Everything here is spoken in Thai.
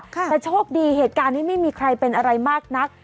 แต่โชคดีเหตุการณ์นี้ไม่มีใครเป็นอะไรมากนัก